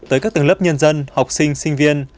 tới các tầng lớp nhân dân học sinh